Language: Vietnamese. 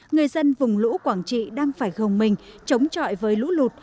người dân vùng lũ quảng trị đang phải gồng mình chống chọi với lũ lụt